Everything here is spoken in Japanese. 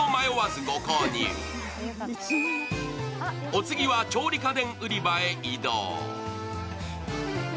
お次は調理家電売り場へ移動。